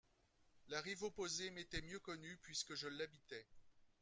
La rive opposée m'était mieux connue puisque je l'habitais.